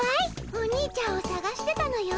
おにいちゃんをさがしてたのよ。